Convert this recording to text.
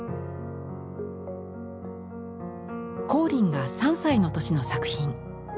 光琳が３歳の年の作品。